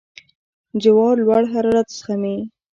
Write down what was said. جوار لوړ حرارت زغمي.